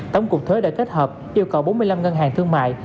tổng cục thuế đã kết hợp yêu cầu bốn mươi năm ngân hàng thương mại